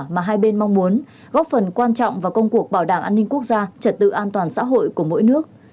mà hai bên mong muốn góp phần quan trọng vào công cuộc bảo đảm an ninh quốc gia trật tự an toàn xã hội của mỗi nước